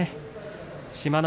志摩ノ